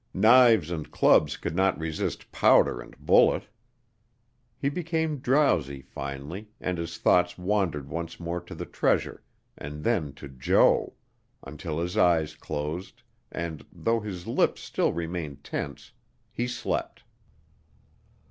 Knives and clubs could not resist powder and bullet. He became drowsy finally and his thoughts wandered once more to the treasure and then to Jo until his eyes closed and, though his lips still remained tense, he slept.